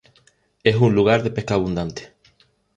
Es un lugar de pesca abundante.